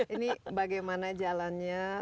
ini bagaimana jalannya